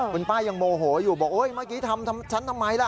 คุณป้ายังโมโหอยู่บอกโอ๊ยเมื่อกี้ทำฉันทำไมล่ะ